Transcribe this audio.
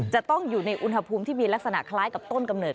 จะต้องอยู่ในอุณหภูมิที่มีลักษณะคล้ายกับต้นกำเนิด